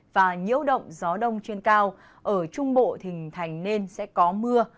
và nhiễu động gió đông trên cao ở trung bộ thình thành nên sẽ có mưa